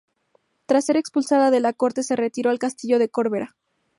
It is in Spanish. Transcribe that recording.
Tras ser expulsada de la corte se retiró al castillo de Corbera.